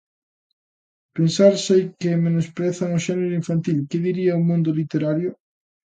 Pensar, sei que menosprezan o xénero infantil, qué diría o mundo literario.